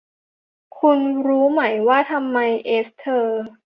คุณรู้ไหมว่าทำไม เอสเธอร์